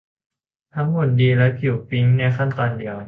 ทั้งหุ่นดีและผิวปิ๊งในขั้นตอนเดียว